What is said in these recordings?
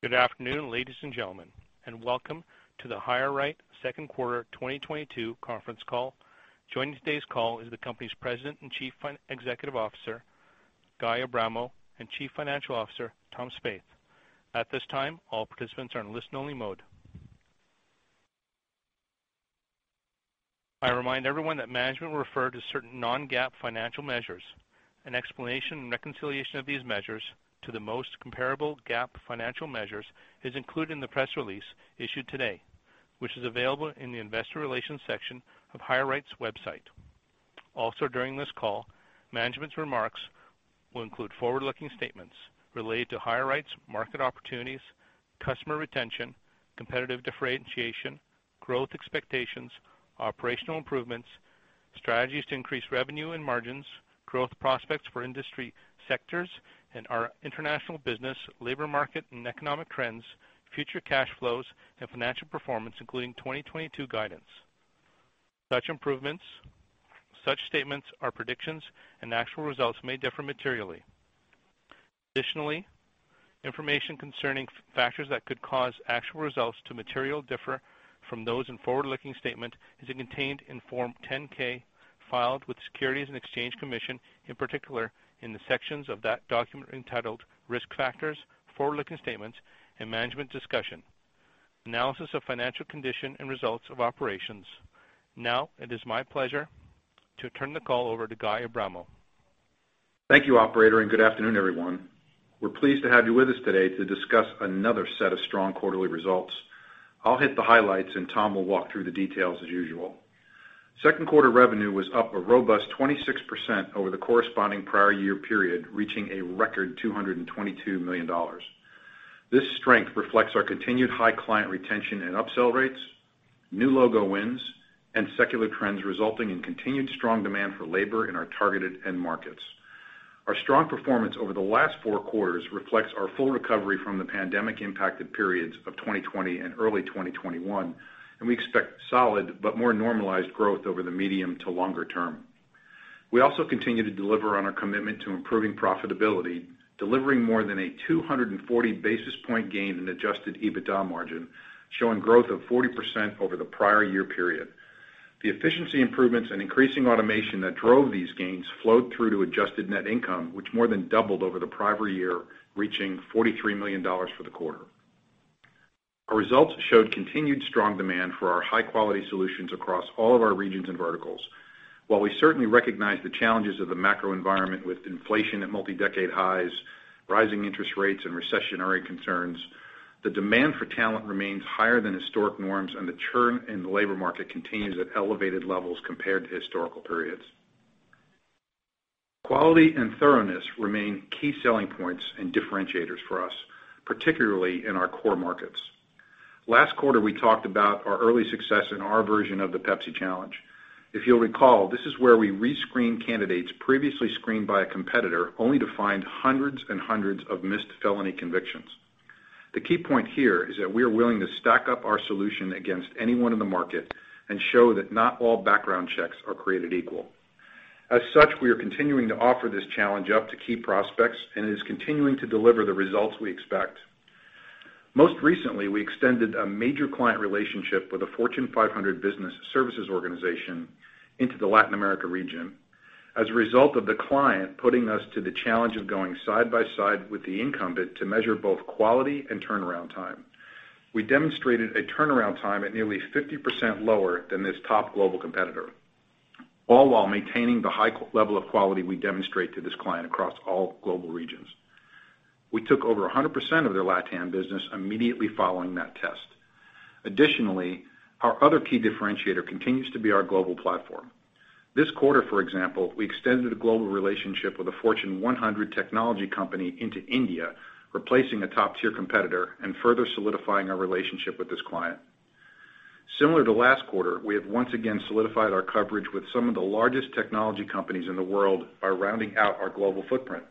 Good afternoon, ladies and gentlemen, and welcome to the HireRight second quarter 2022 conference call. Joining today's call is the company's President and Chief Executive Officer, Guy Abramo, and Chief Financial Officer, Tom Spaeth. At this time, all participants are in listen-only mode. I remind everyone that management will refer to certain non-GAAP financial measures. An explanation and reconciliation of these measures to the most comparable GAAP financial measures is included in the press release issued today, which is available in the investor relations section of HireRight's website. Also, during this call, management's remarks will include forward-looking statements related to HireRight's market opportunities, customer retention, competitive differentiation, growth expectations, operational improvements, strategies to increase revenue and margins, growth prospects for industry sectors and our international business, labor market and economic trends, future cash flows, and financial performance, including 2022 guidance. Such statements are predictions, and actual results may differ materially. Additionally, information concerning factors that could cause actual results to materially differ from those in forward-looking statements is contained in Form 10-K filed with the Securities and Exchange Commission, in particular, in the sections of that document entitled Risk Factors, Forward-Looking Statements, and Management's Discussion and Analysis of Financial Condition and Results of Operations. Now, it is my pleasure to turn the call over to Guy Abramo. Thank you, operator, and good afternoon, everyone. We're pleased to have you with us today to discuss another set of strong quarterly results. I'll hit the highlights, and Tom will walk through the details as usual. Second quarter revenue was up a robust 26% over the corresponding prior year period, reaching a record $222 million. This strength reflects our continued high client retention and upsell rates, new logo wins, and secular trends resulting in continued strong demand for labor in our targeted end markets. Our strong performance over the last four quarters reflects our full recovery from the pandemic-impacted periods of 2020 and early 2021, and we expect solid but more normalized growth over the medium to longer term. We also continue to deliver on our commitment to improving profitability, delivering more than a 240 basis point gain in adjusted EBITDA margin, showing growth of 40% over the prior year period. The efficiency improvements and increasing automation that drove these gains flowed through to adjusted net income, which more than doubled over the prior year, reaching $43 million for the quarter. Our results showed continued strong demand for our high-quality solutions across all of our regions and verticals. While we certainly recognize the challenges of the macro environment with inflation at multi-decade highs, rising interest rates, and recessionary concerns, the demand for talent remains higher than historic norms, and the churn in the labor market continues at elevated levels compared to historical periods. Quality and thoroughness remain key selling points and differentiators for us, particularly in our core markets. Last quarter, we talked about our early success in our version of the Pepsi Challenge. If you'll recall, this is where we rescreen candidates previously screened by a competitor, only to find hundreds and hundreds of missed felony convictions. The key point here is that we are willing to stack up our solution against anyone in the market and show that not all background checks are created equal. As such, we are continuing to offer this challenge up to key prospects, and it is continuing to deliver the results we expect. Most recently, we extended a major client relationship with a Fortune 500 business services organization into the Latin America region as a result of the client putting us to the challenge of going side by side with the incumbent to measure both quality and turnaround time. We demonstrated a turnaround time at nearly 50% lower than this top global competitor, all while maintaining the high level of quality we demonstrate to this client across all global regions. We took over 100% of their LatAm business immediately following that test. Additionally, our other key differentiator continues to be our global platform. This quarter, for example, we extended a global relationship with a Fortune 100 technology company into India, replacing a top-tier competitor and further solidifying our relationship with this client. Similar to last quarter, we have once again solidified our coverage with some of the largest technology companies in the world by rounding out our global footprint.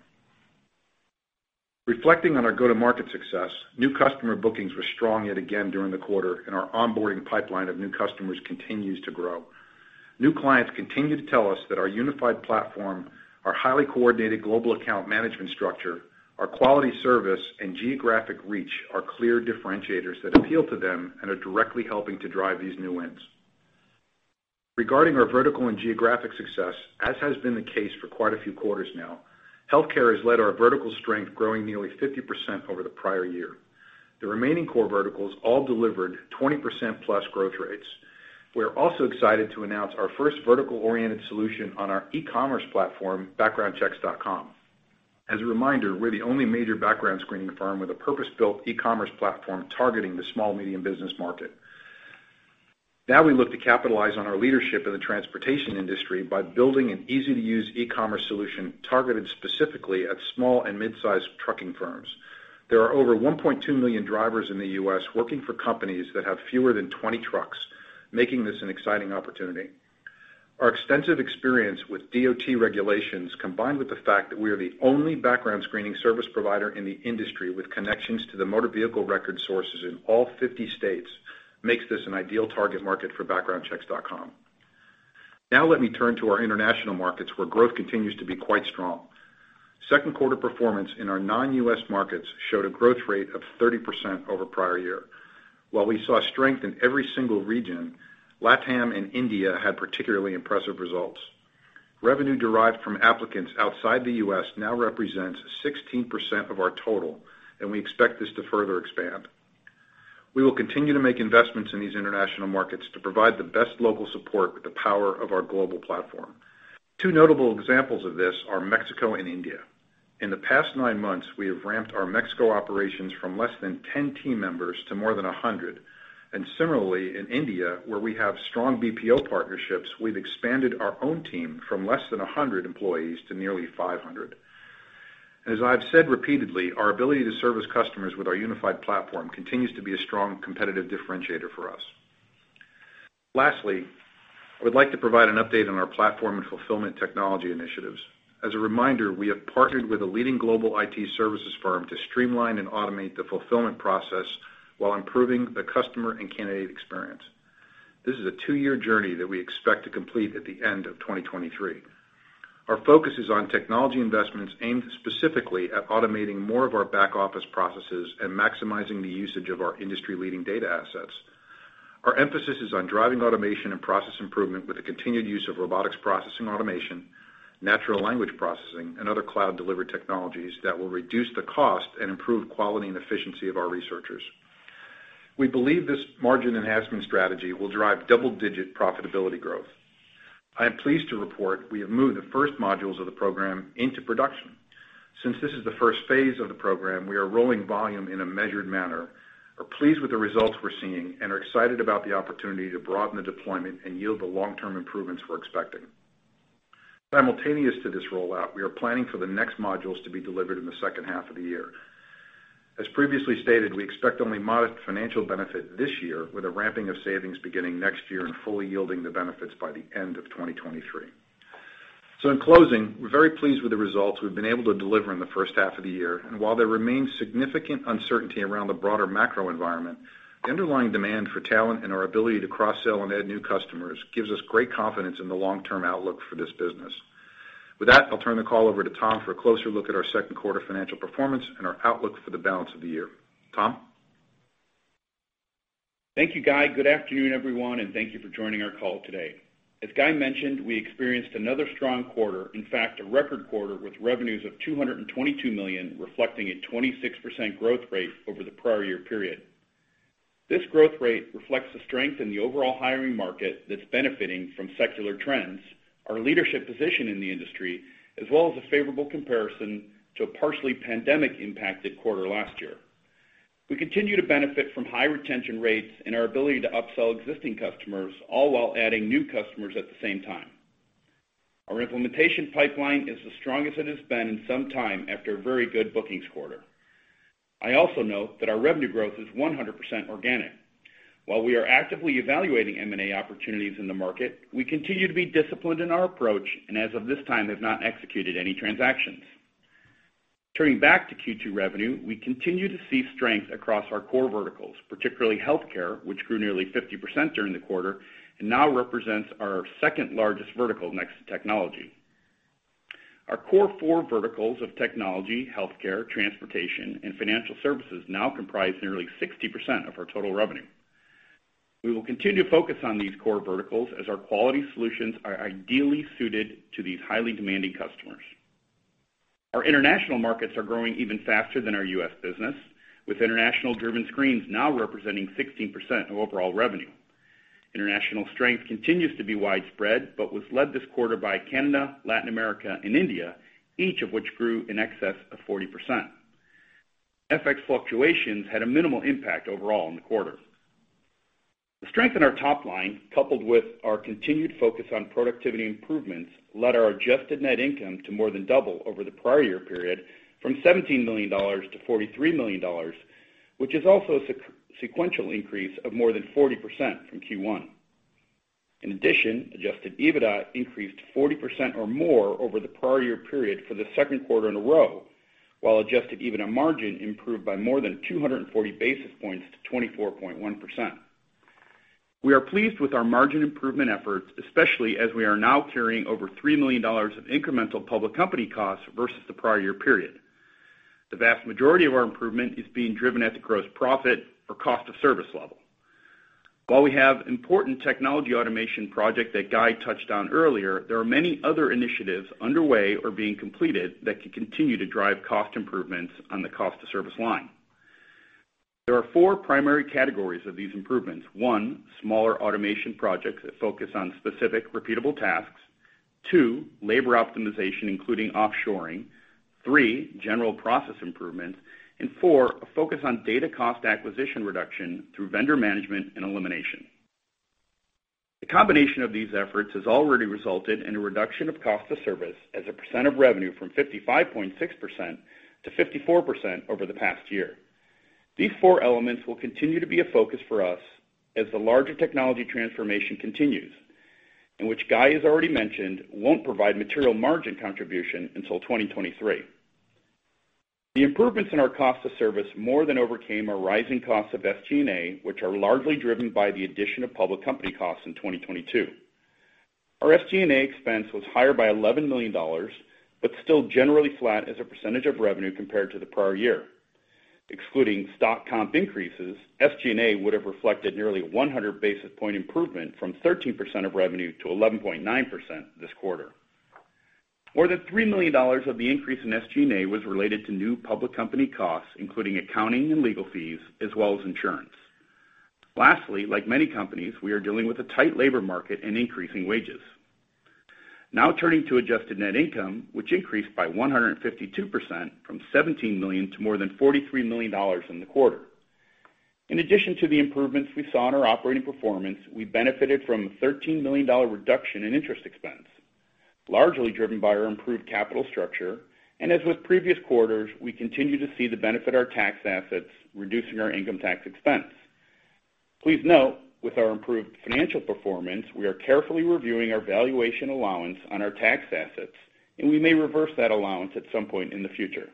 Reflecting on our go-to-market success, new customer bookings were strong yet again during the quarter, and our onboarding pipeline of new customers continues to grow. New clients continue to tell us that our unified platform, our highly coordinated global account management structure, our quality service, and geographic reach are clear differentiators that appeal to them and are directly helping to drive these new wins. Regarding our vertical and geographic success, as has been the case for quite a few quarters now, healthcare has led our vertical strength, growing nearly 50% over the prior year. The remaining core verticals all delivered 20%+ growth rates. We're also excited to announce our first vertical-oriented solution on our e-commerce platform, BackgroundChecks.com. As a reminder, we're the only major background screening firm with a purpose-built e-commerce platform targeting the small/medium business market. Now we look to capitalize on our leadership in the transportation industry by building an easy-to-use e-commerce solution targeted specifically at small and mid-sized trucking firms. There are over 1.2 million drivers in the U.S. working for companies that have fewer than 20 trucks, making this an exciting opportunity. Our extensive experience with DOT regulations, combined with the fact that we are the only background screening service provider in the industry with connections to the motor vehicle record sources in all 50 states, makes this an ideal target market for BackgroundChecks.com. Now let me turn to our international markets where growth continues to be quite strong. Second quarter performance in our non-U.S. markets showed a growth rate of 30% over prior year. While we saw strength in every single region, LatAm and India had particularly impressive results. Revenue derived from applicants outside the U.S. now represents 16% of our total, and we expect this to further expand. We will continue to make investments in these international markets to provide the best local support with the power of our global platform. Two notable examples of this are Mexico and India. In the past 9 months, we have ramped our Mexico operations from less than 10 team members to more than 100. Similarly, in India, where we have strong BPO partnerships, we've expanded our own team from less than 100 employees to nearly 500. As I've said repeatedly, our ability to service customers with our unified platform continues to be a strong competitive differentiator for us. Lastly, I would like to provide an update on our platform and fulfillment technology initiatives. As a reminder, we have partnered with a leading global IT services firm to streamline and automate the fulfillment process while improving the customer and candidate experience. This is a two-year journey that we expect to complete at the end of 2023. Our focus is on technology investments aimed specifically at automating more of our back-office processes and maximizing the usage of our industry-leading data assets. Our emphasis is on driving automation and process improvement with the continued use of robotic process automation, natural language processing, and other cloud-delivered technologies that will reduce the cost and improve quality and efficiency of our researchers. We believe this margin enhancement strategy will drive double-digit profitability growth. I am pleased to report we have moved the first modules of the program into production. Since this is the first phase of the program, we are rolling volume in a measured manner. We're pleased with the results we're seeing and are excited about the opportunity to broaden the deployment and yield the long-term improvements we're expecting. Simultaneous to this rollout, we are planning for the next modules to be delivered in the second half of the year. As previously stated, we expect only modest financial benefit this year, with a ramping of savings beginning next year and fully yielding the benefits by the end of 2023. In closing, we're very pleased with the results we've been able to deliver in the first half of the year. While there remains significant uncertainty around the broader macro environment, the underlying demand for talent and our ability to cross-sell and add new customers gives us great confidence in the long-term outlook for this business. With that, I'll turn the call over to Tom for a closer look at our second quarter financial performance and our outlook for the balance of the year. Tom? Thank you, Guy. Good afternoon, everyone, and thank you for joining our call today. As Guy mentioned, we experienced another strong quarter, in fact, a record quarter with revenues of $222 million, reflecting a 26% growth rate over the prior year period. This growth rate reflects the strength in the overall hiring market that's benefiting from secular trends, our leadership position in the industry, as well as a favorable comparison to a partially pandemic-impacted quarter last year. We continue to benefit from high retention rates and our ability to upsell existing customers, all while adding new customers at the same time. Our implementation pipeline is the strongest it has been in some time after a very good bookings quarter. I also note that our revenue growth is 100% organic. While we are actively evaluating M&A opportunities in the market, we continue to be disciplined in our approach and as of this time have not executed any transactions. Turning back to Q2 revenue, we continue to see strength across our core verticals, particularly healthcare, which grew nearly 50% during the quarter and now represents our second-largest vertical next to technology. Our core four verticals of technology, healthcare, transportation, and financial services now comprise nearly 60% of our total revenue. We will continue to focus on these core verticals as our quality solutions are ideally suited to these highly demanding customers. Our international markets are growing even faster than our U.S. business, with international-driven screens now representing 16% of overall revenue. International strength continues to be widespread, but was led this quarter by Canada, Latin America, and India, each of which grew in excess of 40%. FX fluctuations had a minimal impact overall in the quarter. The strength in our top line, coupled with our continued focus on productivity improvements, led our adjusted net income to more than double over the prior year period from $17 million to $43 million, which is also a sequential increase of more than 40% from Q1. In addition, adjusted EBITDA increased 40% or more over the prior year period for the second quarter in a row, while adjusted EBITDA margin improved by more than 240 basis points to 24.1%. We are pleased with our margin improvement efforts, especially as we are now carrying over $3 million of incremental public company costs versus the prior year period. The vast majority of our improvement is being driven at the gross profit or cost of service level. While we have important technology automation project that Guy touched on earlier, there are many other initiatives underway or being completed that can continue to drive cost improvements on the cost of service line. There are four primary categories of these improvements. One, smaller automation projects that focus on specific repeatable tasks. Two, labor optimization, including offshoring. Three, general process improvement. And four, a focus on data cost acquisition reduction through vendor management and elimination. The combination of these efforts has already resulted in a reduction of cost of service as a percent of revenue from 55.6% to 54% over the past year. These four elements will continue to be a focus for us as the larger technology transformation continues, in which Guy has already mentioned won't provide material margin contribution until 2023. The improvements in our cost of service more than overcame our rising costs of SG&A, which are largely driven by the addition of public company costs in 2022. Our SG&A expense was higher by $11 million, but still generally flat as a percentage of revenue compared to the prior year. Excluding stock comp increases, SG&A would have reflected nearly 100 basis point improvement from 13% of revenue to 11.9% this quarter. More than $3 million of the increase in SG&A was related to new public company costs, including accounting and legal fees, as well as insurance. Lastly, like many companies, we are dealing with a tight labor market and increasing wages. Now turning to adjusted net income, which increased by 152% from $17 million to more than $43 million in the quarter. In addition to the improvements we saw in our operating performance, we benefited from a $13 million reduction in interest expense, largely driven by our improved capital structure. As with previous quarters, we continue to see the benefit of our tax assets, reducing our income tax expense. Please note, with our improved financial performance, we are carefully reviewing our valuation allowance on our tax assets, and we may reverse that allowance at some point in the future.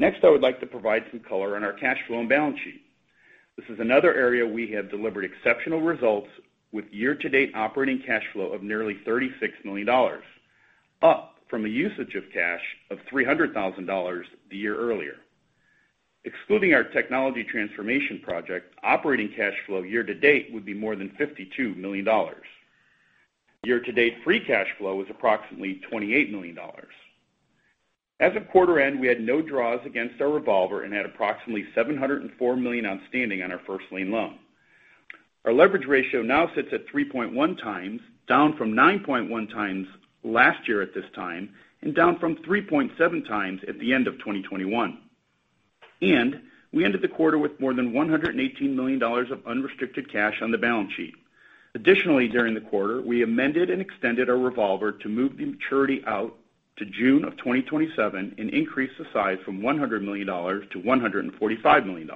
Next, I would like to provide some color on our cash flow and balance sheet. This is another area we have delivered exceptional results with year-to-date operating cash flow of nearly $36 million, up from a usage of cash of $300,000 the year earlier. Excluding our technology transformation project, operating cash flow year-to-date would be more than $52 million. Year-to-date free cash flow is approximately $28 million. As of quarter end, we had no draws against our revolver and had approximately $704 million outstanding on our first lien loan. Our leverage ratio now sits at 3.1 times, down from 9.1 times last year at this time, and down from 3.7 times at the end of 2021. We ended the quarter with more than $118 million of unrestricted cash on the balance sheet. Additionally, during the quarter, we amended and extended our revolver to move the maturity out to June 2027 and increased the size from $100 million-$145 million.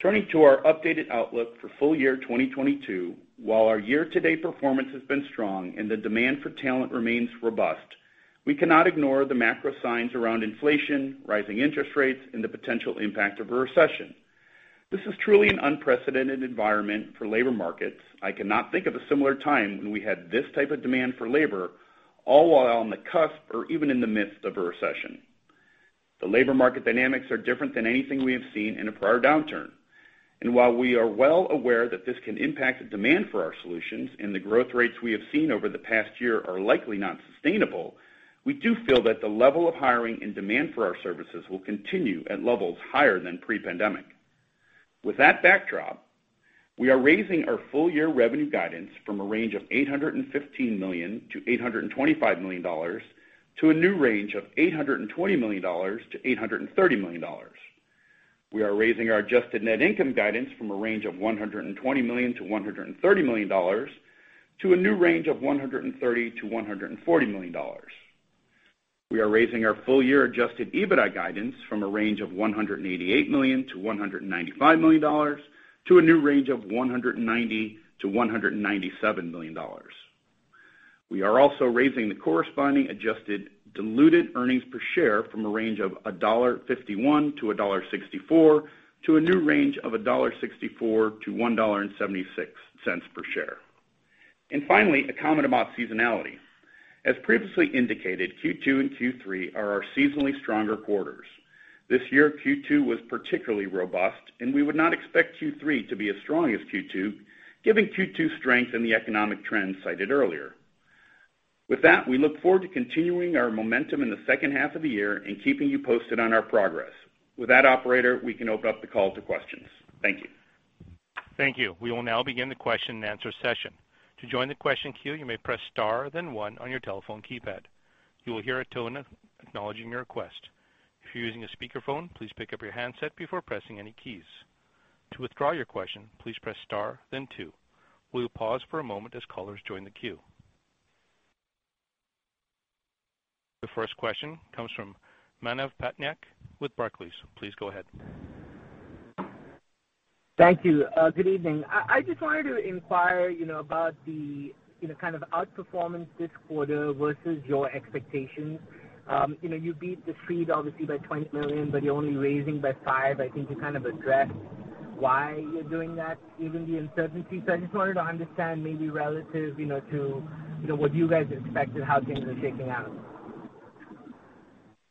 Turning to our updated outlook for full year 2022, while our year-to-date performance has been strong and the demand for talent remains robust, we cannot ignore the macro signs around inflation, rising interest rates, and the potential impact of a recession. This is truly an unprecedented environment for labor markets. I cannot think of a similar time when we had this type of demand for labor all while on the cusp or even in the midst of a recession. The labor market dynamics are different than anything we have seen in a prior downturn. While we are well aware that this can impact the demand for our solutions and the growth rates we have seen over the past year are likely not sustainable, we do feel that the level of hiring and demand for our services will continue at levels higher than pre-pandemic. With that backdrop, we are raising our full-year revenue guidance from a range of $815 million-$825 million to a new range of $820 million-$830 million. We are raising our adjusted net income guidance from a range of $120 million-$130 million to a new range of $130 million-$140 million. We are raising our full-year adjusted EBITDA guidance from a range of $188 million-$195 million to a new range of $190 million-$197 million. We are also raising the corresponding adjusted diluted earnings per share from a range of $1.51-$1.64 to a new range of $1.64-$1.76 per share. Finally, a comment about seasonality. As previously indicated, Q2 and Q3 are our seasonally stronger quarters. This year, Q2 was particularly robust, and we would not expect Q3 to be as strong as Q2, giving Q2 strength in the economic trends cited earlier. With that, we look forward to continuing our momentum in the second half of the year and keeping you posted on our progress. With that, operator, we can open up the call to questions. Thank you. Thank you. We will now begin the question-and-answer session. To join the question queue, you may press star then one on your telephone keypad. You will hear a tone acknowledging your request. If you're using a speakerphone, please pick up your handset before pressing any keys. To withdraw your question, please press star then two. We will pause for a moment as callers join the queue. The first question comes from Manav Patnaik with Barclays. Please go ahead. Thank you. Good evening. I just wanted to inquire, you know, about the, you know, kind of outperformance this quarter versus your expectations. You know, you beat the street obviously by $20 million, but you're only raising by $5 million. I think you kind of addressed why you're doing that given the uncertainty. I just wanted to understand maybe relative, you know, to, you know, what you guys expected, how things are shaking out.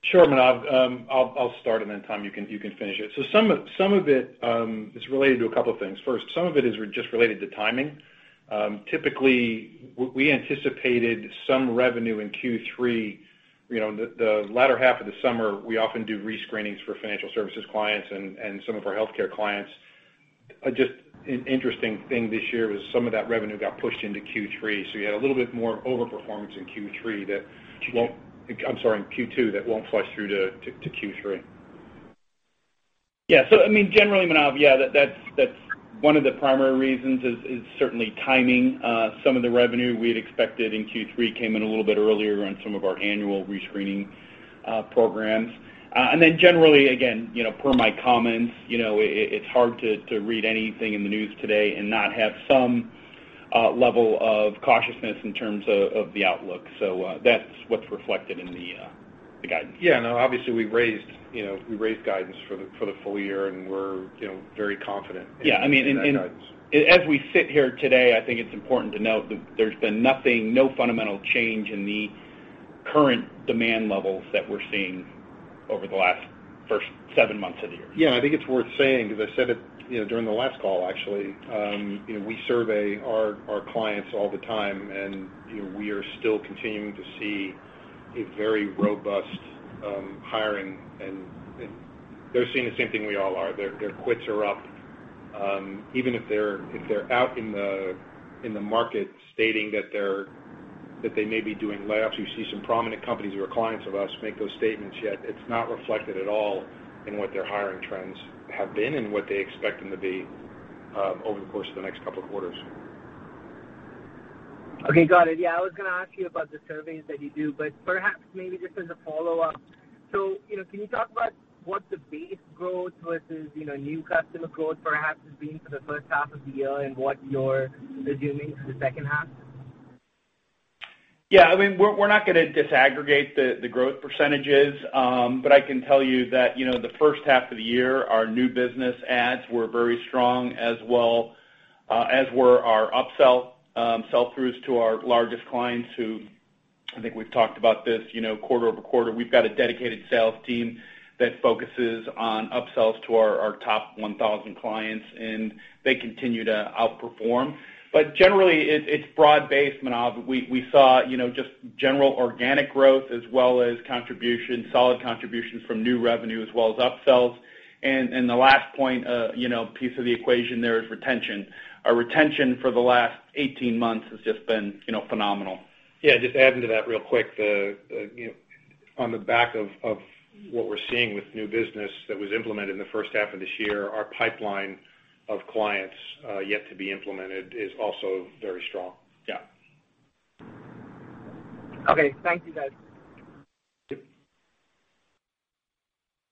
Sure, Manav. I'll start, and then Tom, you can finish it. Some of it is related to a couple of things. First, some of it is just related to timing. Typically, we anticipated some revenue in Q3. You know, the latter half of the summer, we often do rescreenings for financial services clients and some of our healthcare clients. Just an interesting thing this year was some of that revenue got pushed into Q3. So you had a little bit more overperformance in Q3. I'm sorry, in Q2, that won't flow through to Q3. Yeah. So I mean, generally, Manav, yeah, that's one of the primary reasons is certainly timing. Some of the revenue we had expected in Q3 came in a little bit earlier on some of our annual rescreening programs. Then generally, again, you know, per my comments, you know, it's hard to read anything in the news today and not have some level of cautiousness in terms of the outlook. So that's what's reflected in the guidance. Yeah. No, obviously, we raised, you know, guidance for the full year, and we're, you know, very confident- Yeah. I mean, -in that guidance. As we sit here today, I think it's important to note that there's been nothing, no fundamental change in the current demand levels that we're seeing over the last first seven months of the year. Yeah. I think it's worth saying, 'cause I said it, you know, during the last call, actually. You know, we survey our clients all the time, and, you know, we are still continuing to see a very robust hiring. They're seeing the same thing we all are. Their quits are up. Even if they're out in the market stating that they may be doing layoffs, you see some prominent companies who are clients of us make those statements, yet it's not reflected at all in what their hiring trends have been and what they expect them to be over the course of the next couple of quarters. Okay. Got it. Yeah. I was gonna ask you about the surveys that you do, but perhaps maybe just as a follow-up. You know, can you talk about what the base growth versus, you know, new customer growth perhaps has been for the first half of the year and what you're assuming for the second half? Yeah. I mean, we're not gonna disaggregate the growth percentages. I can tell you that, you know, the first half of the year, our new business ads were very strong as well, as were our upsell sell-throughs to our largest clients who I think we've talked about this, you know, quarter-over-quarter. We've got a dedicated sales team that focuses on upsells to our top 1,000 clients, and they continue to outperform. Generally, it's broad-based, Manav. We saw, you know, just general organic growth as well as solid contribution from new revenue as well as upsells. The last point, you know, piece of the equation there is retention. Our retention for the last 18 months has just been, you know, phenomenal. Yeah, just adding to that real quick. You know, on the back of what we're seeing with new business that was implemented in the first half of this year, our pipeline of clients yet to be implemented is also very strong. Yeah. Okay. Thank you, guys. Yep.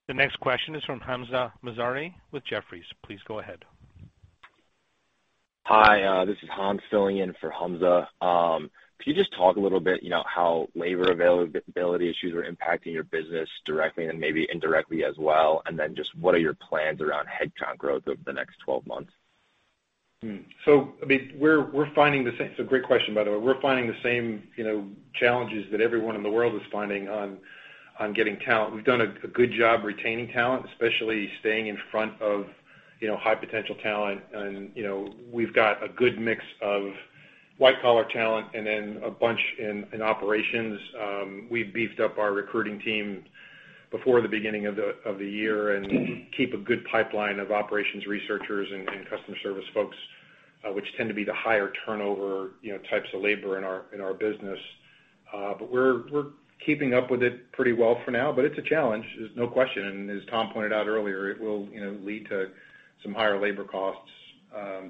The next question is from Hamzah Mazari with Jefferies. Please go ahead. Hi, this is Hans filling in for Hamzah. Could you just talk a little bit, you know, how labor availability issues are impacting your business directly and maybe indirectly as well? Just what are your plans around headcount growth over the next 12 months? I mean, we're finding the same. It's a great question, by the way. We're finding the same, you know, challenges that everyone in the world is finding on getting talent. We've done a good job retaining talent, especially staying in front of, you know, high potential talent. You know, we've got a good mix of white-collar talent and then a bunch in operations. We've beefed up our recruiting team before the beginning of the year and keep a good pipeline of operations researchers and customer service folks, which tend to be the higher turnover, you know, types of labor in our business. But we're keeping up with it pretty well for now. It's a challenge, there's no question. As Tom pointed out earlier, it will, you know, lead to some higher labor costs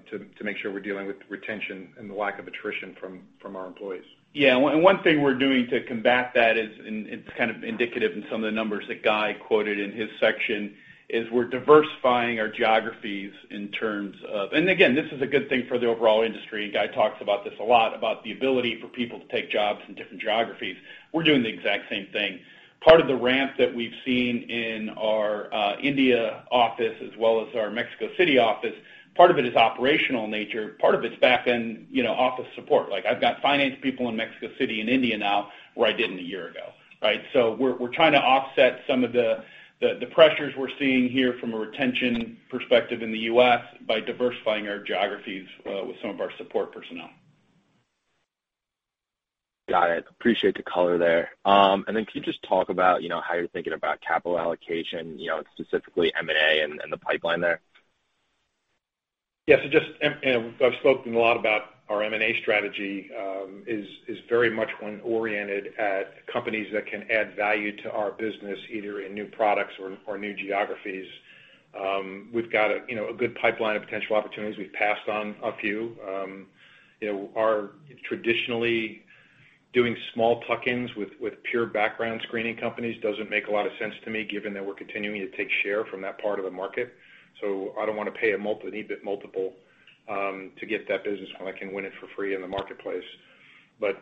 to make sure we're dealing with retention and the lack of attrition from our employees. Yeah. One thing we're doing to combat that is, and it's kind of indicative in some of the numbers that Guy quoted in his section, is we're diversifying our geographies in terms of. Again, this is a good thing for the overall industry, and Guy talks about this a lot, about the ability for people to take jobs in different geographies. We're doing the exact same thing. Part of the ramp that we've seen in our India office as well as our Mexico City office, part of it is operational in nature, part of it's back in, you know, office support. Like, I've got finance people in Mexico City and India now where I didn't a year ago, right? We're trying to offset some of the pressures we're seeing here from a retention perspective in the U.S. by diversifying our geographies with some of our support personnel. Got it. Appreciate the color there. Can you just talk about, you know, how you're thinking about capital allocation, you know, specifically M&A and the pipeline there? Yes. You know, I've spoken a lot about our M&A strategy, is very much one oriented at companies that can add value to our business, either in new products or new geographies. We've got you know, a good pipeline of potential opportunities. We've passed on a few. You know, our traditionally doing small tuck-ins with pure background screening companies doesn't make a lot of sense to me, given that we're continuing to take share from that part of the market. I don't wanna pay an EBIT multiple to get that business when I can win it for free in the marketplace.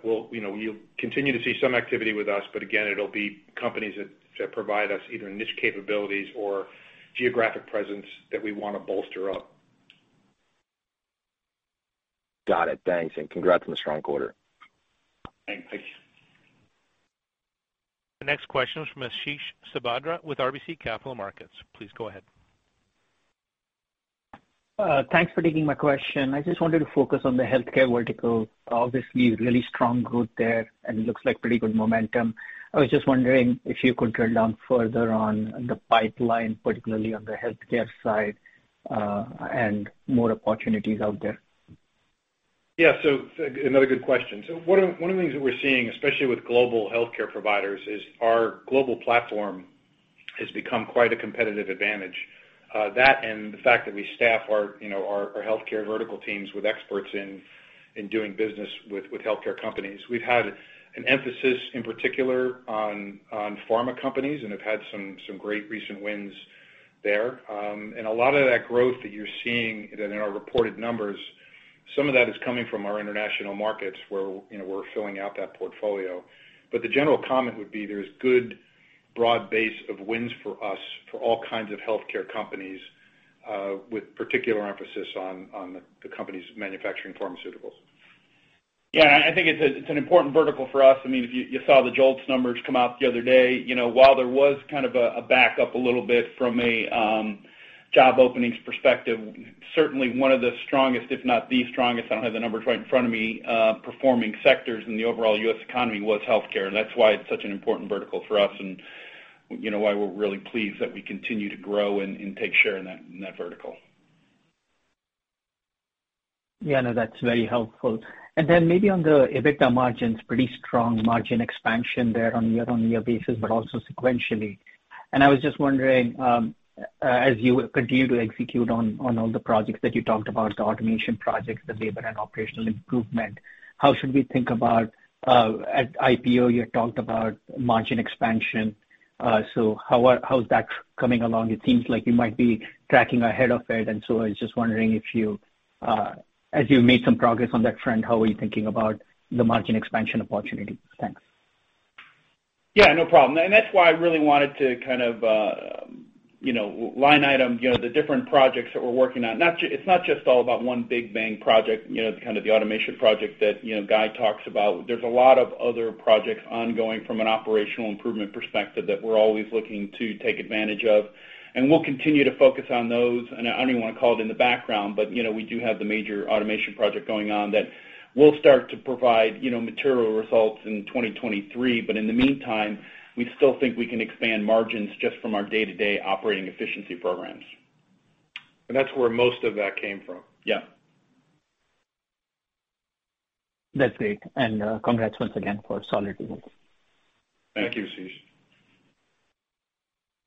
We'll you know, you'll continue to see some activity with us, but again, it'll be companies that provide us either niche capabilities or geographic presence that we wanna bolster up. Got it. Thanks, and congrats on the strong quarter. Thanks. Thank you. The next question is from Ashish Sabadra with RBC Capital Markets. Please go ahead. Thanks for taking my question. I just wanted to focus on the healthcare vertical. Obviously, really strong growth there, and it looks like pretty good momentum. I was just wondering if you could drill down further on the pipeline, particularly on the healthcare side, and more opportunities out there. Yeah. Another good question. One of the things that we're seeing, especially with global healthcare providers, is our global platform has become quite a competitive advantage. That and the fact that we staff our, you know, our healthcare vertical teams with experts in doing business with healthcare companies. We've had an emphasis in particular on pharma companies and have had some great recent wins there. And a lot of that growth that you're seeing that in our reported numbers, some of that is coming from our international markets where, you know, we're filling out that portfolio. The general comment would be there's good broad base of wins for us for all kinds of healthcare companies, with particular emphasis on the company's manufacturing pharmaceuticals. Yeah. I think it's an important vertical for us. I mean, if you saw the JOLTS numbers come out the other day, you know, while there was kind of a backup a little bit from a job openings perspective, certainly one of the strongest, if not the strongest, I don't have the numbers right in front of me, performing sectors in the overall U.S. economy was healthcare. That's why it's such an important vertical for us, and, you know, why we're really pleased that we continue to grow and take share in that vertical. Yeah. No, that's very helpful. Then maybe on the EBITDA margins, pretty strong margin expansion there on year-over-year basis, but also sequentially. I was just wondering, as you continue to execute on all the projects that you talked about, the automation projects, the labor and operational improvement, how should we think about, at IPO, you talked about margin expansion. How is that coming along? It seems like you might be tracking ahead of it. I was just wondering if you, as you made some progress on that front, how are you thinking about the margin expansion opportunity? Thanks. Yeah, no problem. That's why I really wanted to kind of, you know, line item, you know, the different projects that we're working on. It's not just all about one big bang project, you know, the kind of the automation project that, you know, Guy talks about. There's a lot of other projects ongoing from an operational improvement perspective that we're always looking to take advantage of, and we'll continue to focus on those. I don't even wanna call it in the background, but, you know, we do have the major automation project going on that will start to provide, you know, material results in 2023. In the meantime, we still think we can expand margins just from our day-to-day operating efficiency programs. That's where most of that came from. Yeah. That's great. Congrats once again for solid results. Thank you, Ashish.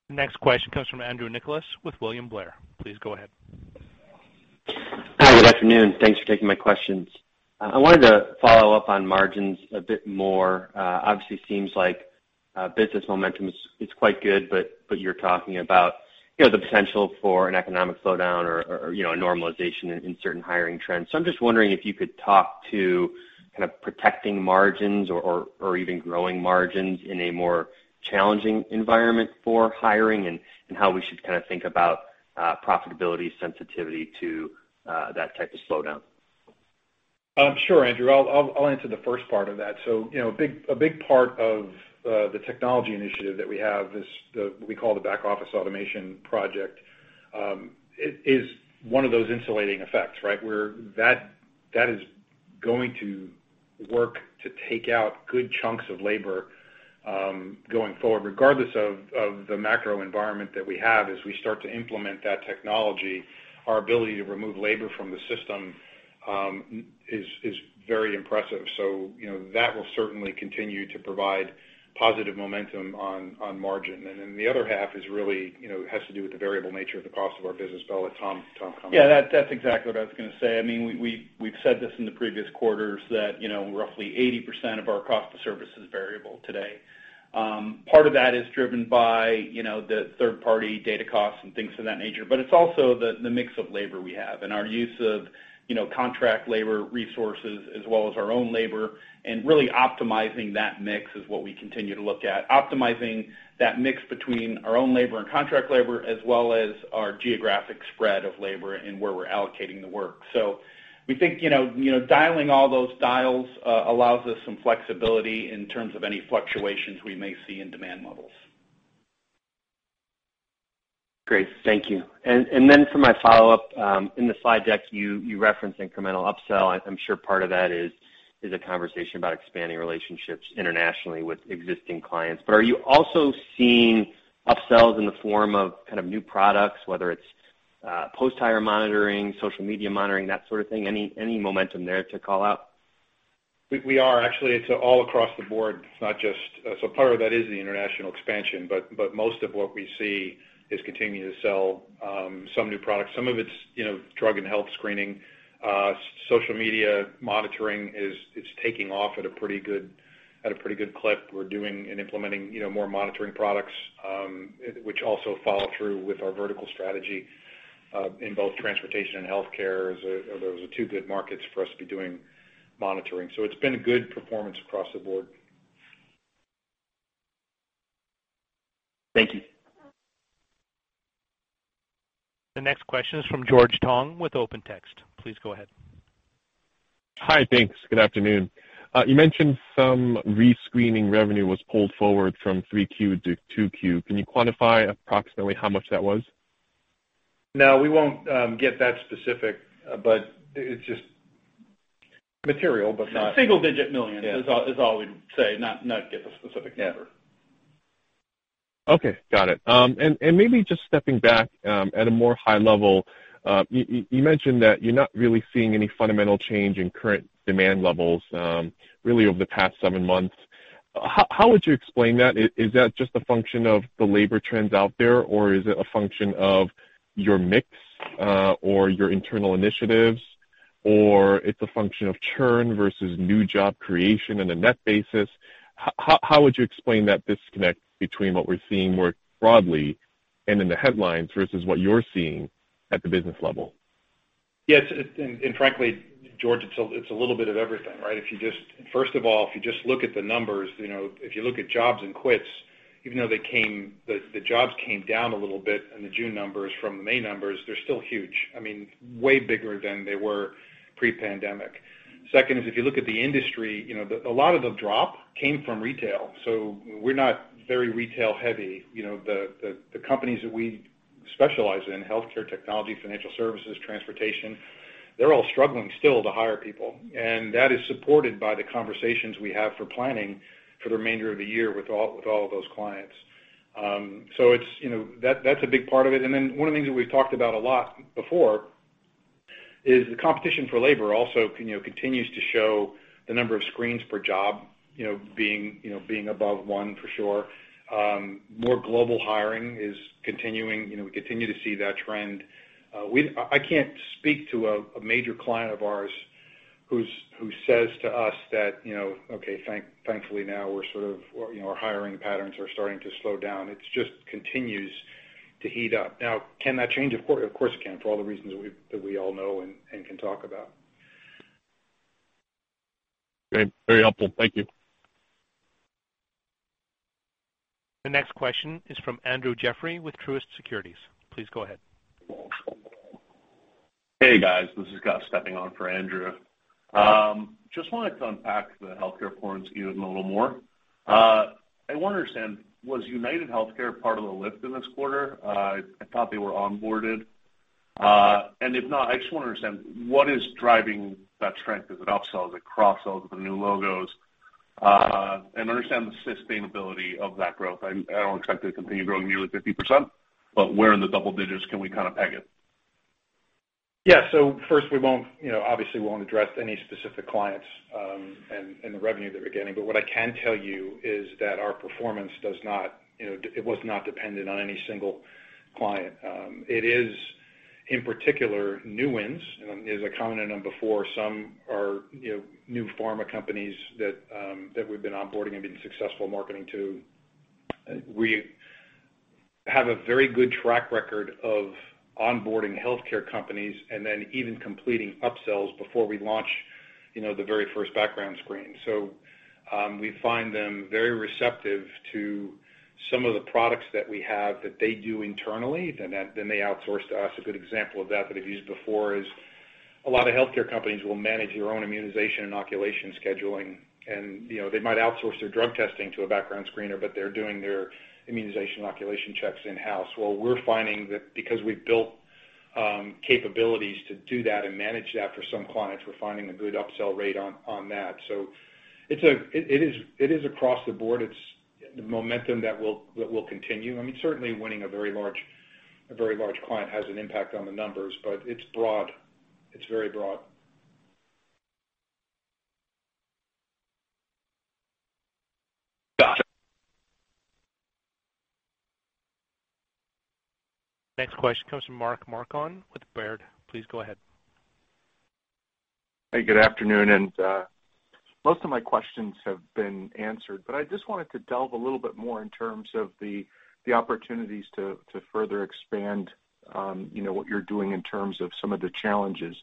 The next question comes from Andrew Nicholas with William Blair. Please go ahead. Hi. Good afternoon. Thanks for taking my questions. I wanted to follow up on margins a bit more. Obviously seems like business momentum is quite good, but you're talking about, you know, the potential for an economic slowdown or, you know, a normalization in certain hiring trends. I'm just wondering if you could talk to kind of protecting margins or even growing margins in a more challenging environment for hiring and how we should kinda think about profitability sensitivity to that type of slowdown. Sure, Andrew. I'll answer the first part of that. You know, a big part of the technology initiative that we have is what we call the back office automation project is one of those insulating effects, right? Where that is going to work to take out good chunks of labor going forward. Regardless of the macro environment that we have as we start to implement that technology, our ability to remove labor from the system is very impressive. You know, that will certainly continue to provide positive momentum on margin. The other half is really, you know, has to do with the variable nature of the cost of our business. I'll let Tom comment. Yeah, that's exactly what I was gonna say. I mean, we've said this in the previous quarters that, you know, roughly 80% of our cost to service is variable today. Part of that is driven by, you know, the third party data costs and things of that nature. But it's also the mix of labor we have and our use of, you know, contract labor resources as well as our own labor, and really optimizing that mix is what we continue to look at. Optimizing that mix between our own labor and contract labor, as well as our geographic spread of labor and where we're allocating the work. We think, you know, dialing all those dials allows us some flexibility in terms of any fluctuations we may see in demand levels. Great. Thank you. Then for my follow-up, in the slide deck, you referenced incremental upsell. I'm sure part of that is a conversation about expanding relationships internationally with existing clients. Are you also seeing upsells in the form of kind of new products, whether it's post-hire monitoring, social media monitoring, that sort of thing? Any momentum there to call out? We are. Actually, it's all across the board. It's not just so part of that is the international expansion, but most of what we see is continuing to sell some new products. Some of it's, you know, drug and health screening. Social media monitoring is taking off at a pretty good clip. We're doing and implementing, you know, more monitoring products, which also follow through with our vertical strategy in both transportation and healthcare. Those are two good markets for us to be doing monitoring. It's been a good performance across the board. Thank you. The next question is from George Tong with OpenText. Please go ahead. Hi. Thanks. Good afternoon. You mentioned some rescreening revenue was pulled forward from Q3 to Q2. Can you quantify approximately how much that was? No, we won't get that specific, but it's just material. $1 million-$9 million. Yeah. This is all we'd say, not to get the specific number. Okay, got it. And maybe just stepping back at a more high level, you mentioned that you're not really seeing any fundamental change in current demand levels really over the past seven months. How would you explain that? Is that just a function of the labor trends out there, or is it a function of your mix or your internal initiatives? It's a function of churn versus new job creation on a net basis. How would you explain that disconnect between what we're seeing more broadly and in the headlines versus what you're seeing at the business level? Frankly, George, it's a little bit of everything, right? First of all, if you just look at the numbers, you know, if you look at jobs and quits, even though the jobs came down a little bit in the June numbers from the May numbers, they're still huge. I mean, way bigger than they were pre-pandemic. Second, if you look at the industry, you know, a lot of the drop came from retail, so we're not very retail heavy. You know, the companies that we specialize in, healthcare, technology, financial services, transportation, they're all struggling still to hire people. That is supported by the conversations we have for planning for the remainder of the year with all of those clients. It's, you know, that's a big part of it. One of the things that we've talked about a lot before is the competition for labor also continues to show the number of screens per job, you know, being above one for sure. More global hiring is continuing. You know, we continue to see that trend. I can't speak to a major client of ours who says to us that, you know, okay, thankfully now we're sort of, or, you know, our hiring patterns are starting to slow down. It just continues to heat up. Now, can that change? Of course it can, for all the reasons that we all know and can talk about. Great. Very helpful. Thank you. The next question is from Andrew Jeffrey with Truist Securities. Please go ahead. Hey, guys. This is Scott stepping on for Andrew. Just wanted to unpack the healthcare performance a little more. I want to understand, was UnitedHealthcare part of the lift in this quarter? I thought they were onboarded. If not, I just wanna understand, what is driving that strength? Is it upsells, cross-sells with the new logos? Understand the sustainability of that growth. I don't expect it to continue growing nearly 50%, but where in the double digits can we kind of peg it? Yeah. First we won't, you know, obviously we won't address any specific clients, and the revenue that we're getting. What I can tell you is that our performance does not, you know, it was not dependent on any single client. It is in particular new wins, as I commented on before. Some are, you know, new pharma companies that we've been onboarding and been successful marketing to. We have a very good track record of onboarding healthcare companies and then even completing upsells before we launch, you know, the very first background screen. We find them very receptive to some of the products that we have that they do internally, then they outsource to us. A good example of that I've used before is a lot of healthcare companies will manage their own immunization inoculation scheduling, and, you know, they might outsource their drug testing to a background screener, but they're doing their immunization inoculation checks in-house. Well, we're finding that because we've built capabilities to do that and manage that for some clients, we're finding a good upsell rate on that. So it is across the board. It's the momentum that will continue. I mean, certainly winning a very large client has an impact on the numbers, but it's broad. It's very broad. Got it. Next question comes from Mark Marcon with Baird. Please go ahead. Hey, good afternoon. Most of my questions have been answered, but I just wanted to delve a little bit more in terms of the opportunities to further expand you know what you're doing in terms of some of the challenges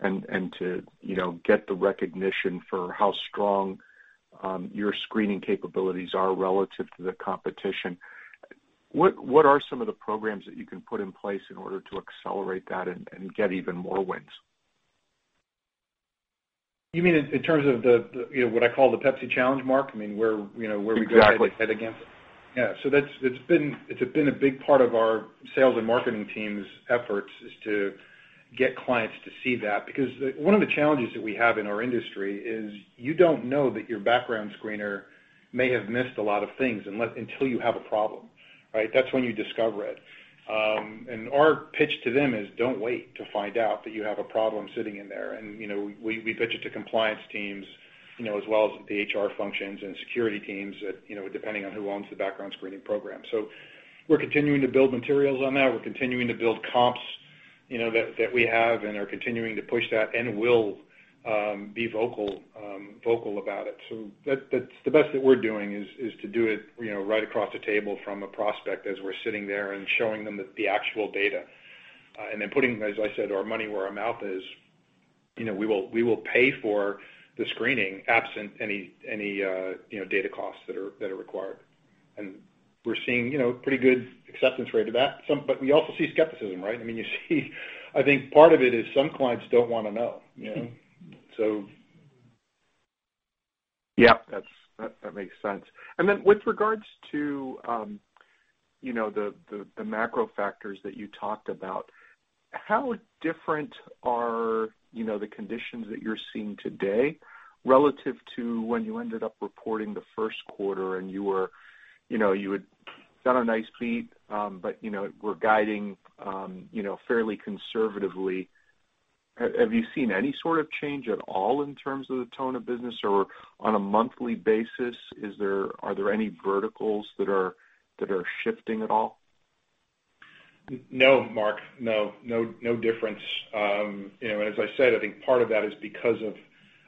and to you know get the recognition for how strong your screening capabilities are relative to the competition. What are some of the programs that you can put in place in order to accelerate that and get even more wins? You mean in terms of the you know what I call the Pepsi Challenge, Mark? I mean, where you know where we go. Exactly. Head to head against it? Yeah. That's it's been a big part of our sales and marketing team's efforts to get clients to see that. Because one of the challenges that we have in our industry is you don't know that your background screener may have missed a lot of things unless until you have a problem, right? That's when you discover it. Our pitch to them is don't wait to find out that you have a problem sitting in there. You know, we pitch it to compliance teams, you know, as well as the HR functions and security teams, you know, depending on who owns the background screening program. We're continuing to build materials on that. We're continuing to build comps, you know, that we have and are continuing to push that and will be vocal about it. That's the best that we're doing is to do it, you know, right across the table from a prospect as we're sitting there and showing them the actual data and then putting, as I said, our money where our mouth is. You know, we will pay for the screening absent any, you know, data costs that are required. We're seeing, you know, pretty good acceptance rate of that. We also see skepticism, right? I mean, you see I think part of it is some clients don't wanna know, you know? Yeah. That makes sense. Then with regards to, you know, the macro factors that you talked about, how different are, you know, the conditions that you're seeing today relative to when you ended up reporting the first quarter and you were, you know, you had done a nice beat, but you know, were guiding, you know, fairly conservatively. Have you seen any sort of change at all in terms of the tone of business? Or on a monthly basis, are there any verticals that are shifting at all? No, Mark. No difference. You know, as I said, I think part of that is because of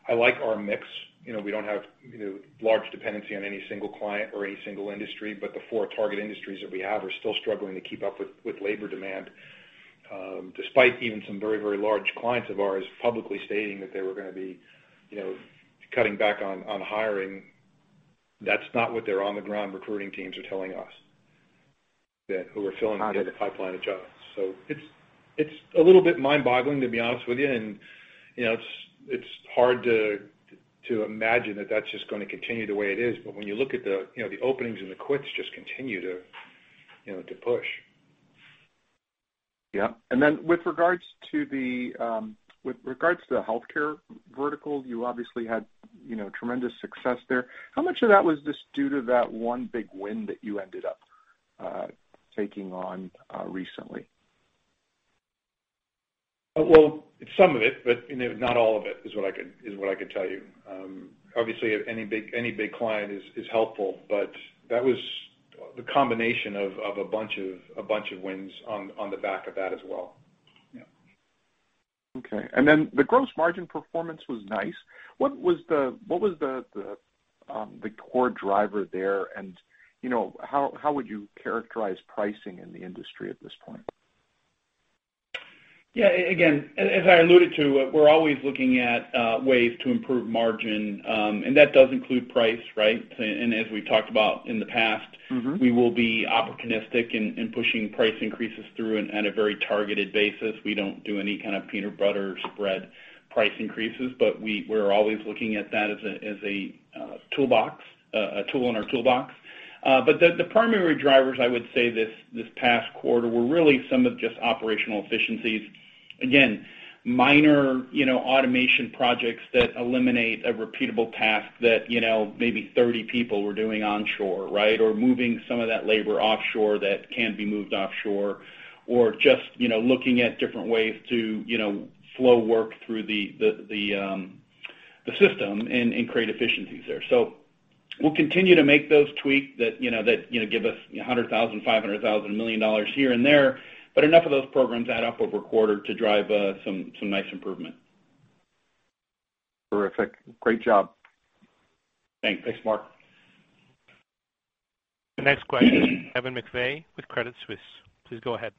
I like our mix. You know, we don't have, you know, large dependency on any single client or any single industry, but the four target industries that we have are still struggling to keep up with labor demand. Despite even some very, very large clients of ours publicly stating that they were gonna be, you know, cutting back on hiring. That's not what their on-the-ground recruiting teams are telling us that we're filling in the pipeline of jobs. It's a little bit mind-boggling, to be honest with you. You know, it's hard to imagine that that's just gonna continue the way it is. When you look at the, you know, the openings and the quits just continue to, you know, to push. Yeah. With regards to the healthcare vertical, you obviously had, you know, tremendous success there. How much of that was just due to that one big win that you ended up taking on recently? Well, some of it, but, you know, not all of it is what I could tell you. Obviously any big client is helpful, but that was the combination of a bunch of wins on the back of that as well. Yeah. Okay. The gross margin performance was nice. What was the core driver there? You know, how would you characterize pricing in the industry at this point? Yeah. Again, as I alluded to, we're always looking at ways to improve margin, and that does include price, right? As we talked about in the past. Mm-hmm We will be opportunistic in pushing price increases through on a very targeted basis. We don't do any kind of peanut butter spread price increases, but we're always looking at that as a tool in our toolbox. The primary drivers I would say this past quarter were really some of just operational efficiencies. Again, minor, you know, automation projects that eliminate a repeatable task that, you know, maybe 30 people were doing onshore, right? Or moving some of that labor offshore that can be moved offshore or just, you know, looking at different ways to, you know, flow work through the system and create efficiencies there. We'll continue to make those tweaks that, you know, give us $100,000, $500,000, $1 million here and there, but enough of those programs add up over a quarter to drive some nice improvement. Terrific. Great job. Thanks. Thanks, Mark. The next question is Kevin McVeigh with Credit Suisse. Please go ahead.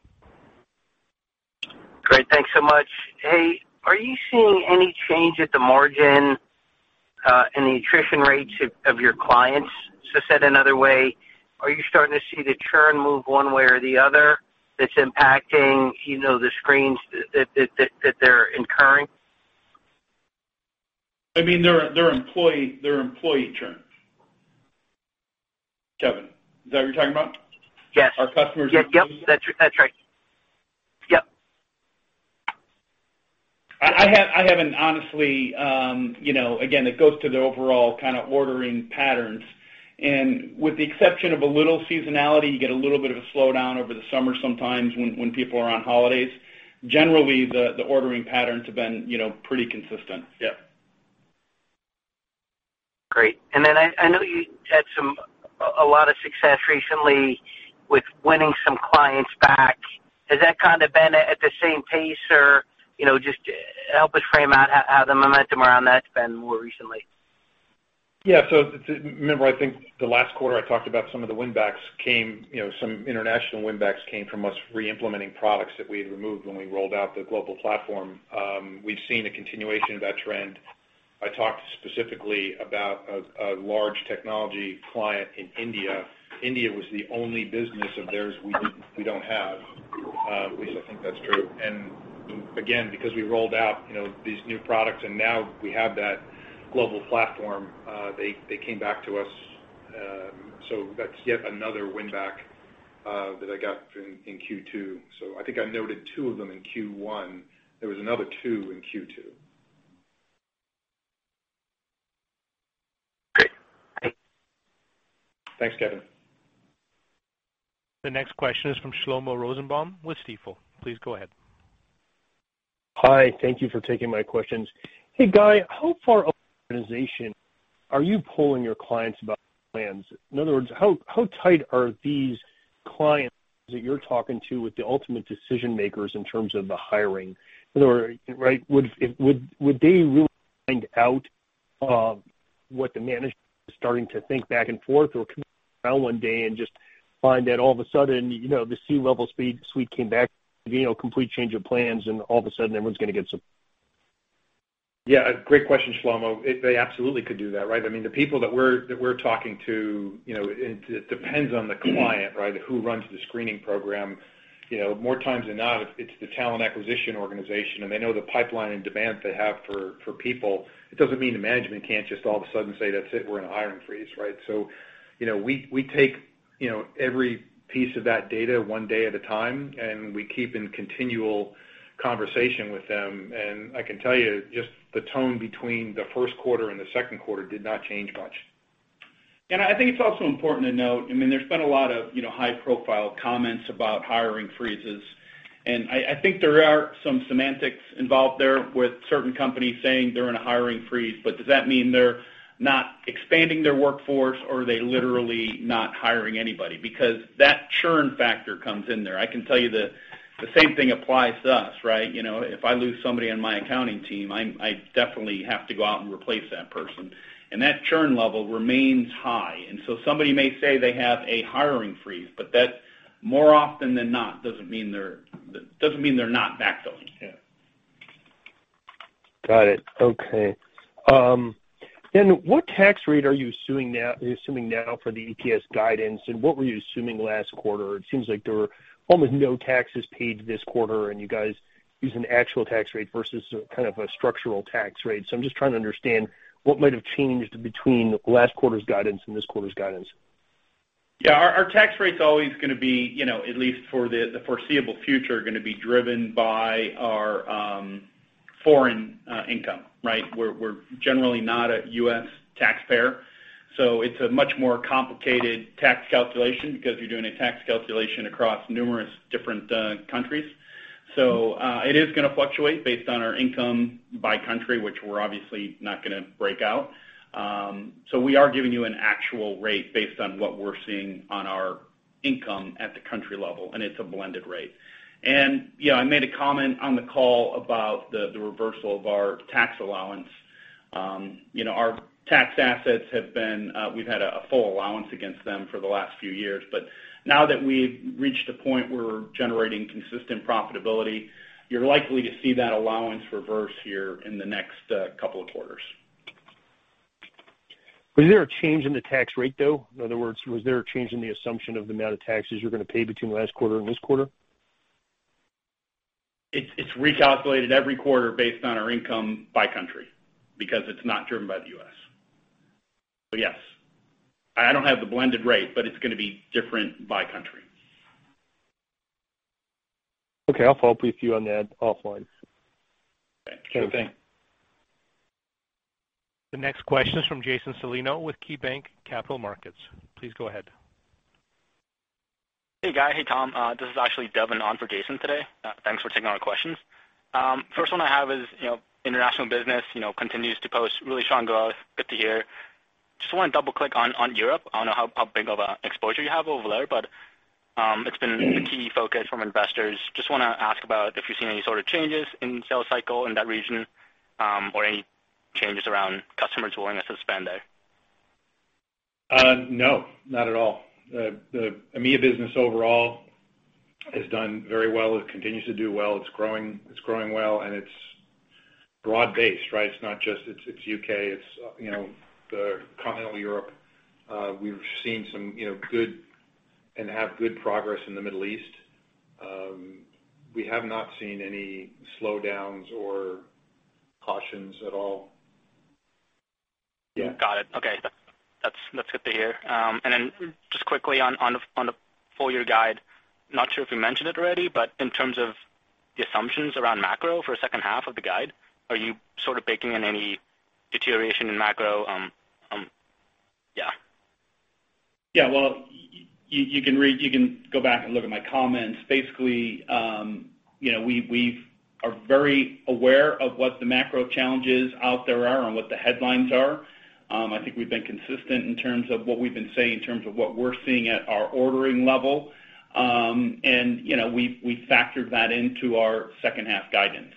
Great. Thanks so much. Hey, are you seeing any change at the margin in the attrition rates of your clients? Said another way, are you starting to see the churn move one way or the other that's impacting, you know, the screens that they're incurring? I mean, their employee churn. Kevin, is that what you're talking about? Yes. Our customers. Yep. That's right. Yep. I haven't honestly, you know. Again, it goes to the overall kind of ordering patterns. With the exception of a little seasonality, you get a little bit of a slowdown over the summer sometimes when people are on holidays. Generally, the ordering patterns have been, you know, pretty consistent. Yeah. Great. Then I know you had a lot of success recently with winning some clients back. Has that kinda been at the same pace? Or, you know, just help us frame out how the momentum around that's been more recently. Yeah. Remember, I think the last quarter I talked about some of the win backs came, you know, some international win backs came from us re-implementing products that we had removed when we rolled out the global platform. We've seen a continuation of that trend. I talked specifically about a large technology client in India. India was the only business of theirs we don't have. At least I think that's true. Again, because we rolled out, you know, these new products, and now we have that global platform, they came back to us. That's yet another win back that I got in Q2. I think I noted two of them in Q1. There was another two in Q2. Great. Thanks. Thanks, Kevin. The next question is from Shlomo Rosenbaum with Stifel. Please go ahead. Hi. Thank you for taking my questions. Hey, Guy, how far are your optimization are you pulling your clients in other words how tight are these clients that your taking to with the ultimate decision makers in terms of hiring. Would they rule out what the management is starting to think back and forth and would they just find out one day and all the sudden you know the C-levels came back—complete change of plans and all the sudden everyone is gonna get- Yeah, great question, Shlomo. They absolutely could do that, right? I mean, the people that we're talking to, you know, it depends on the client, right? Who runs the screening program? You know, more times than not, it's the talent acquisition organization, and they know the pipeline and demand they have for people. It doesn't mean the management can't just all of a sudden say, "That's it. We're in a hiring freeze," right? You know, we take every piece of that data one day at a time, and we keep in continual conversation with them. I can tell you, just the tone between the first quarter and the second quarter did not change much. I think it's also important to note, I mean, there's been a lot of, you know, high-profile comments about hiring freezes. I think there are some semantics involved there with certain companies saying they're in a hiring freeze, but does that mean they're not expanding their workforce or are they literally not hiring anybody? Because that churn factor comes in there. I can tell you the same thing applies to us, right? You know, if I lose somebody on my accounting team, I definitely have to go out and replace that person. That churn level remains high. Somebody may say they have a hiring freeze, but that more often than not, doesn't mean they're not backfilling. Yeah. Got it. Okay. What tax rate are you assuming now for the EPS guidance, and what were you assuming last quarter? It seems like there were almost no taxes paid this quarter, and you guys use an actual tax rate versus kind of a structural tax rate. I'm just trying to understand what might have changed between last quarter's guidance and this quarter's guidance. Yeah, our tax rate's always gonna be, you know, at least for the foreseeable future, gonna be driven by our foreign income, right? We're generally not a U.S. taxpayer, so it's a much more complicated tax calculation because you're doing a tax calculation across numerous different countries. It is gonna fluctuate based on our income by country, which we're obviously not gonna break out. We are giving you an actual rate based on what we're seeing on our income at the country level, and it's a blended rate. You know, I made a comment on the call about the reversal of our tax allowance. You know, our tax assets, we've had a full allowance against them for the last few years. Now that we've reached a point where we're generating consistent profitability, you're likely to see that allowance reverse here in the next couple of quarters. Was there a change in the tax rate, though? In other words, was there a change in the assumption of the amount of taxes you're gonna pay between last quarter and this quarter? It's recalculated every quarter based on our income by country because it's not driven by the U.S. Yes. I don't have the blended rate, but it's gonna be different by country. Okay. I'll follow up with you on that offline. Sure thing. The next question is from Jason Celino with KeyBanc Capital Markets. Please go ahead. Hey, Guy. Hey, Tom. This is actually Devin on for Jason today. Thanks for taking all our questions. First one I have is, you know, international business, you know, continues to post really strong growth. Good to hear. Just wanna double-click on Europe. I don't know how big of a exposure you have over there, but, it's been the key focus from investors. Just wanna ask about if you've seen any sort of changes in sales cycle in that region, or any changes around customers willing to spend there. No, not at all. The EMEA business overall has done very well. It continues to do well. It's growing well, and it's broad-based, right? It's not just U.K., you know, the continental Europe. We've seen some, you know, good progress in the Middle East. We have not seen any slowdowns or cautions at all. Yeah. Got it. Okay. That's good to hear. Just quickly on the full year guide, not sure if you mentioned it already, but in terms of the assumptions around macro for second half of the guide, are you sort of baking in any deterioration in macro. Yeah, well, you can go back and look at my comments. Basically, you know, we are very aware of what the macro challenges out there are and what the headlines are. I think we've been consistent in terms of what we've been saying, in terms of what we're seeing at our ordering level. You know, we've factored that into our second half guidance.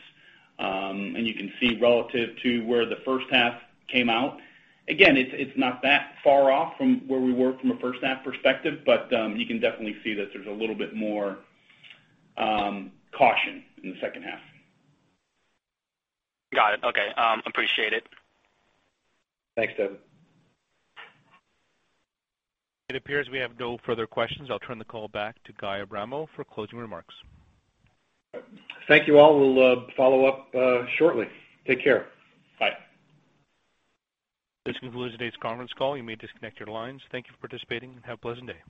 You can see relative to where the first half came out. Again, it's not that far off from where we were from a first half perspective, but you can definitely see that there's a little bit more caution in the second half. Got it. Okay. Appreciate it. Thanks, Devin. It appears we have no further questions. I'll turn the call back to Guy Abramo for closing remarks. Thank you all. We'll follow up shortly. Take care. Bye. This concludes today's conference call. You may disconnect your lines. Thank you for participating and have a pleasant day.